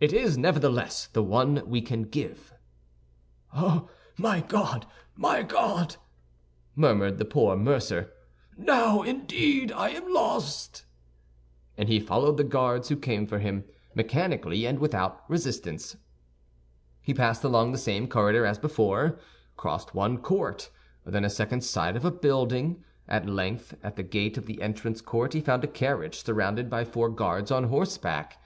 "It is, nevertheless, the only one we can give." "Ah, my God, my God!" murmured the poor mercer, "now, indeed, I am lost!" And he followed the guards who came for him, mechanically and without resistance. He passed along the same corridor as before, crossed one court, then a second side of a building; at length, at the gate of the entrance court he found a carriage surrounded by four guards on horseback.